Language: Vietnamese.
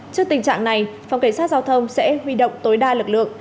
trước tình trạng này phòng cảnh sát giao thông sẽ huy động tối đa lực lượng